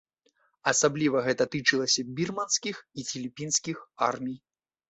Асабліва гэта тычылася бірманскіх і філіпінскіх армій.